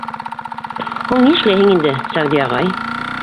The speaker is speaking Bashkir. — Һуң ни эшләйһең инде, Сәғди ағай?